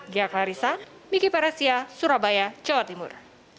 gia klarisa miki paresya surabaya jawa timur